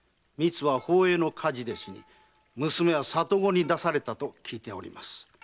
みつは宝永の火事で死に娘は里子に出されたと聞いております。